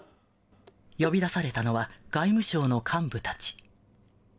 呼び出されたのは外務省の幹部たち。